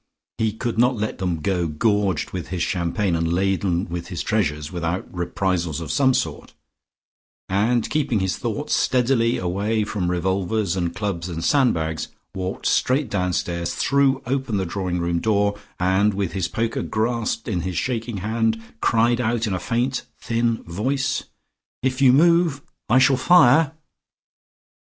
He could not let them go gorged with his champagne and laden with his treasures without reprisals of some sort, and keeping his thoughts steadily away from revolvers and clubs and sandbags, walked straight downstairs, threw open the drawing room door, and with his poker grasped in his shaking hand, cried out in a faint, thin voice: "If you move I shall fire."